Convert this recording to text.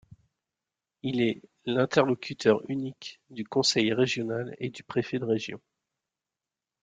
Il est l’interlocuteur unique du conseil régional et du préfet de région.